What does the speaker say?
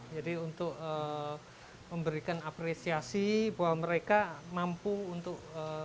jadi untuk memberikan apresiasi bahwa mereka mampu untuk berkarya